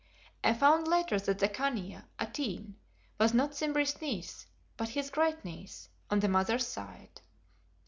I found later that the Khania, Atene, was not Simbri's niece but his great niece, on the mother's side.